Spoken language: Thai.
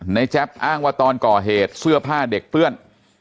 แจ๊บอ้างว่าตอนก่อเหตุเสื้อผ้าเด็กเปื้อน